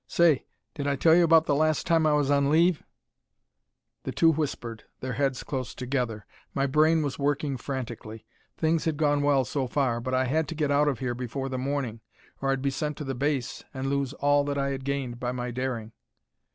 Say, did I tell you about the last time I was on leave " The two whispered, their heads close together. My brain was working frantically. Things had gone well so far, but I had to get out of here before the morning, or I'd be sent to the base and lose all that I had gained by my daring.